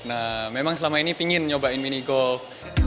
nah memang selama ini pingin nyobain mini golf